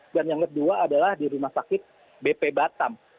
dan yang kedua adalah di rumah sakit bp batam